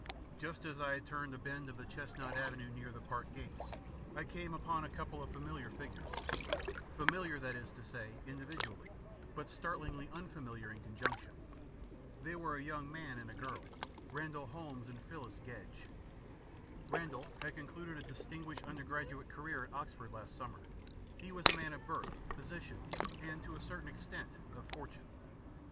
Just as I had turned a bend of the chestnut avenue near the Park gates, I came upon a couple of familiar figures familiar, that is to say, individually, but startlingly unfamiliar in conjunction. They were a young man and girl, Randall Holmes and Phyllis Gedge. Randall had concluded a distinguished undergraduate career at Oxford last summer. He was a man of birth, position, and, to a certain extent, of fortune.